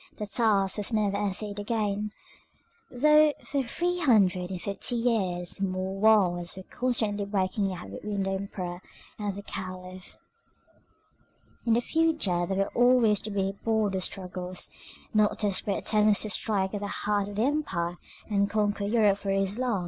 The task was never essayed again, though for three hundred and fifty years more wars were constantly breaking out between the Emperor and the Caliph. In the future they were always to be border struggles, not desperate attempts to strike at the heart of the empire, and conquer Europe for Islam.